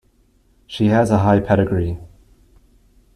She has a high pedigree.